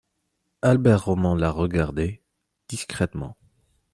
Albert Roman la regardait, discrètement.